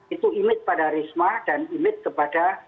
itu image pada risma dan image kepada